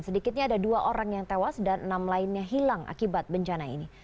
sedikitnya ada dua orang yang tewas dan enam lainnya hilang akibat bencana ini